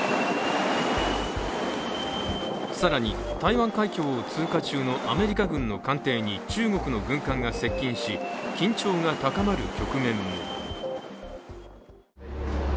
更に、台湾海峡を通過中のアメリカ軍の艦艇に中国の軍艦が接近し緊張が高まる局面も。